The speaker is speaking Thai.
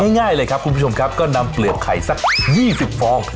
ง่ายเลยครับคุณผู้ชมครับก็นำเปลือกไข่สัก๒๐ฟอง